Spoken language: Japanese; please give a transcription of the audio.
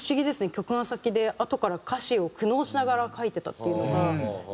曲が先であとから歌詞を苦悩しながら書いてたっていうのが意外でした。